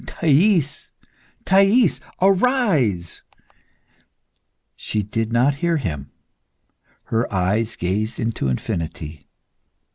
Thais, Thais, arise!" She did not hear him. Her eyes gazed into infinity.